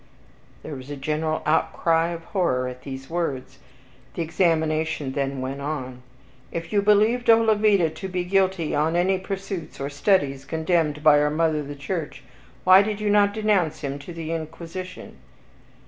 There was a general outcry of horror at these words. The examination then went on. "If you believed Olavida to be guilty of any pursuits or studies condemned by our mother the church, why did you not denounce him to the Inquisition?"